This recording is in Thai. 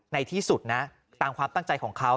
ในที่สุดนะตามความตั้งใจของเขา